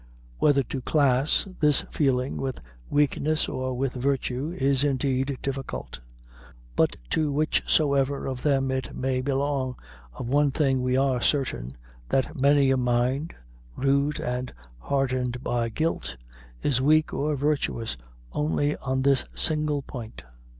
Whether to class this feeling with weakness or with virtue, is indeed difficult; but to whichsoever of them it may belong, of one thing we are certain, that many a mind, rude and hardened by guilt, is weak or virtuous only on this single point.